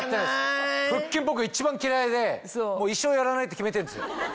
腹筋僕一番嫌いで一生やらないって決めてるんですよ。